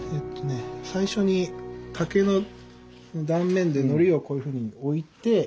最初に竹の断面でのりをこういうふうに置いて。